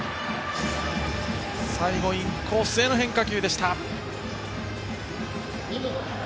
最後、インコースへの変化球でした。